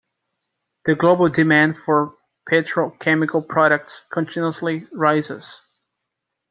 The global demand for petrochemical products continuously rises.